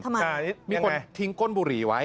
มีคนทิ้งก้นบุหรี่ไว้